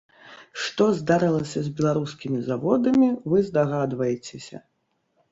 Што здарылася з беларускімі заводамі, вы здагадваецеся.